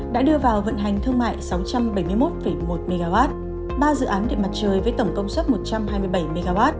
đã đưa vào vận hành thương mại sáu trăm bảy mươi một một mw ba dự án điện mặt trời với tổng công suất một trăm hai mươi bảy mw